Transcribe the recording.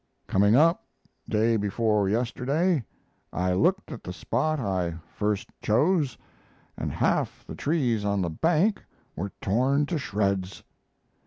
Coming up, day before yesterday, I looked at the spot I first chose, and half the trees on the bank were torn to shreds.